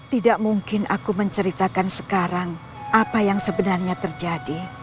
tidak mungkin aku menceritakan sekarang apa yang sebenarnya terjadi